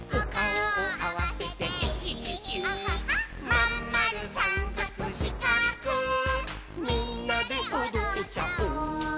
「まんまるさんかくしかくみんなでおどっちゃおう」